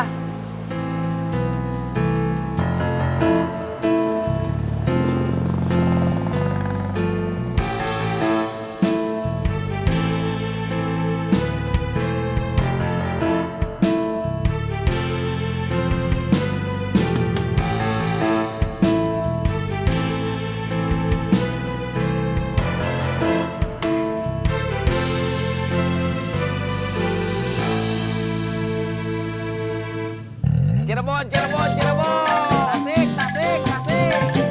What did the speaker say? cirebon cirebon cirebon tasik tasik tasik